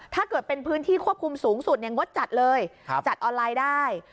ถ้าเกิดเป็นพื้นที่ควบคุมสูงสุดงดจัดเลยจัดออนไลน์ได้